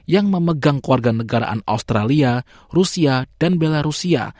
yang memegang keluarga negaraan australia rusia dan belarusia